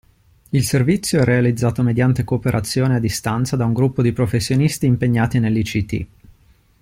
Il servizio è realizzato mediante cooperazione a distanza da un gruppo di professionisti impegnati nell'ICT.